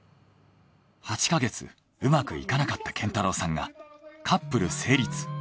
８か月うまくいかなかった健太郎さんがカップル成立。